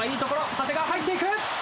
長谷川、入っていく。